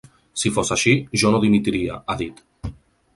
Si fos així, jo no dimitiria, ha dit.